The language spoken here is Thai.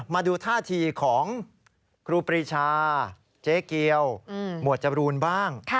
มาดูท่าทีของครูปรีชาเจ๊เกียวหมวดจรูนบ้าง